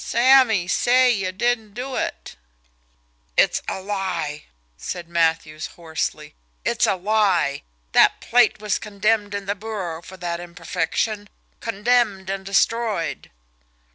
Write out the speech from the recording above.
"Sammy, say you didn't do it!" "It's a lie!" said Matthews hoarsely. "It's a lie! That plate was condemned in the bureau for that imperfection condemned and destroyed."